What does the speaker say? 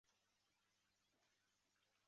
嘉佑寺的历史年代为清代。